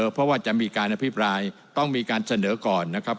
เพราะว่าจะมีการอภิปรายต้องมีการเสนอก่อนนะครับ